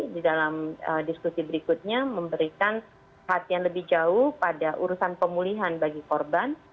di dalam diskusi berikutnya memberikan hatian lebih jauh pada urusan pemulihan bagi korban